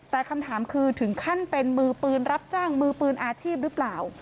แต่คำถามคือถึงขั้นเป็นมือปืนรับจ้างมือปืนอาชีพหรือเปล่า